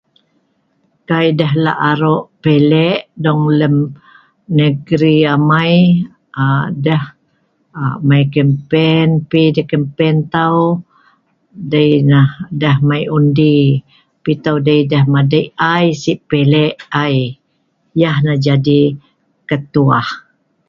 Kai deh la'aro'pile'k dong len ngri amai deh mai kempen pi' deh kempen tau dei' nah mai undi dei deh madik ai si pilek ai yeh nah jadi ketuah.